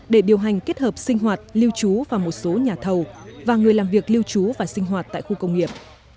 để điều hành kết hợp sinh hoạt lưu trú và một số nhà thầu và người làm việc lưu trú và sinh hoạt tại khu công nghiệp